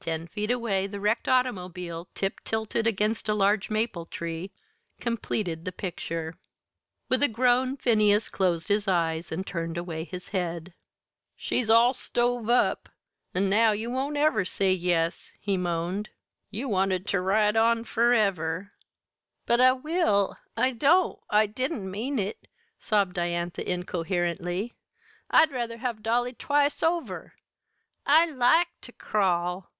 Ten feet away the wrecked automobile, tip tilted against a large maple tree, completed the picture. With a groan Phineas closed his eyes and turned away his head. "She's all stove up an' now you won't ever say yes," he moaned. "You wanted ter ride on an' on furever!" "But I will I don't I didn't mean it," sobbed Diantha incoherently. "I'd rather have Dolly twice over. I like ter crawl.